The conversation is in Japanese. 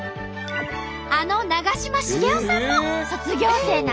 あの長嶋茂雄さんも卒業生なんだって。